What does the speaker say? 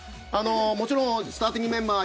もちろんスターティングメンバー